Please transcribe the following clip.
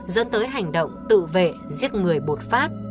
dẫn tới hành động tự vệ giết người bột phát